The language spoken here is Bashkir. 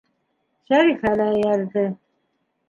Шәрифә лә эйәрҙе.